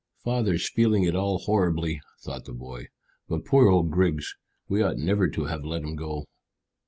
"Father's feeling it all horribly," thought the boy. "But poor old Griggs! We ought never to have let him go."